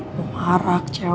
gue marah kecel